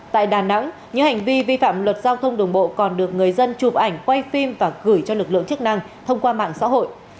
tại đà nẵng những hành vi vi phạm luật giao thông đường bộ còn được người dân chụp ảnh quay phim và gửi cho lực lượng chức năng thông qua mạng xã hội